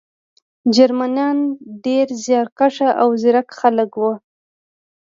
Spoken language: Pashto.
جرمنان ډېر زیارکښ او ځیرک خلک وو